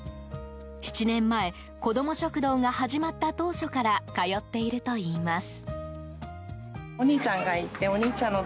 ７年前こども食堂が始まった当初から通っているといいます。